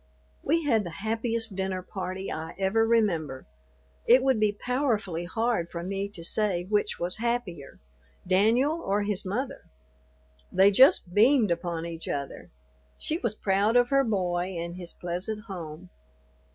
We had the happiest dinner party I ever remember. It would be powerfully hard for me to say which was happier, "Danyul" or his mother. They just beamed upon each other. She was proud of her boy and his pleasant home.